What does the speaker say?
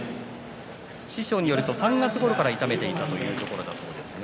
師匠によると３月ごろから痛めていたということです。